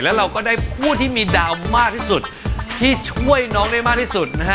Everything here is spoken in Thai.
แล้วเราก็ได้ผู้ที่มีดาวมากที่สุดที่ช่วยน้องได้มากที่สุดนะฮะ